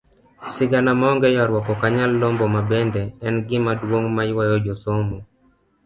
Sigana monge yuaruok okanyal lombo mabende en gima duong' mayuayo josomo.